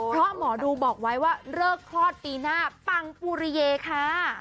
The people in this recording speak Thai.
เพราะหมอดูบอกว่าเริ่มคลอดปีหน้าฟังปูเรียค่ะ